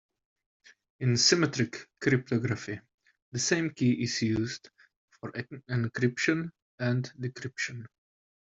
In symmetric cryptography the same key is used for encryption and decryption.